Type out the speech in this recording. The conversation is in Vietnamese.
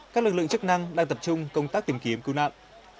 các lực lượng chức năng đang tập trung công tác tìm kiếm cứu nạn